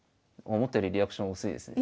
思ったよりリアクション薄いですね。